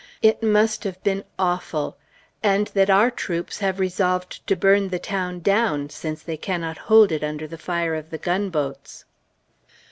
It must have been awful! And that our troops have resolved to burn the town down, since they cannot hold it under the fire of the gunboats.